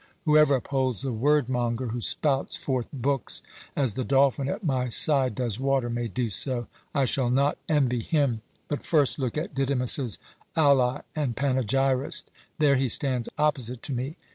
Whoever upholds the word monger who spouts forth books as the dolphin at my side does water, may do so. I shall not envy him. But first look at Didymus's ally and panegyrist. There he stands opposite to me.